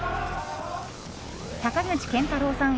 坂口健太郎さん